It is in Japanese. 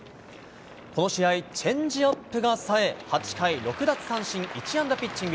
この試合、チェンジアップが冴え８回６奪三振１安打ピッチング。